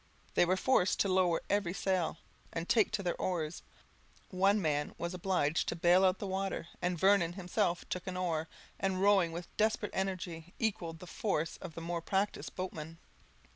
They were forced to lower every sail, and take to their oars; one man was obliged to bale out the water, and Vernon himself took an oar, and rowing with desperate energy, equalled the force of the more practised boatmen.